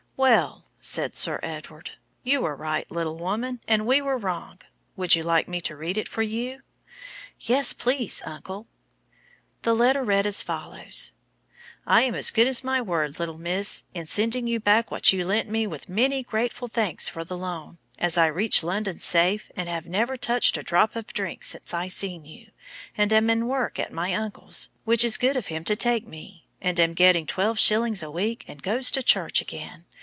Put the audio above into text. "Well," said Sir Edward, "you were right, little woman, and we were wrong. Would you like me to read it for you?" "Yes, please, uncle." The letter read as follows: "I am as good as my word, little Miss, in sending you back what you lent me with many grateful thanks for the loan, as I reached London safe and have never touched a drop of drink since I seen you, and am in work at my uncle's, which is good of him to take me, and am getting good wages and goes to church again.